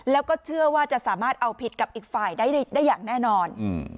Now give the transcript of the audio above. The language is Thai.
แล้วก็เชื่อว่าจะสามารถเอาผิดกับอีกฝ่ายได้อย่างแน่นอน